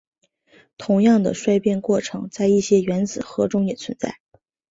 同样的衰变过程在一些原子核中也存在。